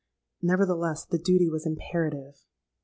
Nevertheless, the duty was imperative.